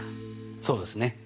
そうですねええ。